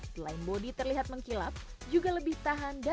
selain bodi terlihat mengkilap juga lebih tahan